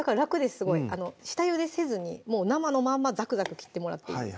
すごい下ゆでせずに生のまんまザクザク切ってもらっていいです